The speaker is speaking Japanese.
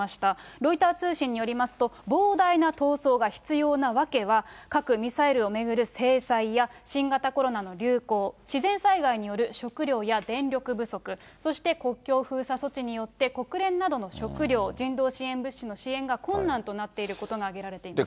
ロイター通信によりますと、膨大な闘争が必要な訳は、核・ミサイルを巡る制裁や新型コロナの流行、自然災害による食糧や電力不足、そして国境封鎖措置によって国連などの食糧、人道支援物資の支援が困難となっていることが挙げられています。